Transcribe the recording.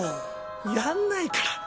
やんないから！